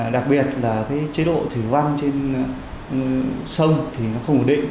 đặc biệt là cái chế độ thủy văn trên sông thì nó không ổn định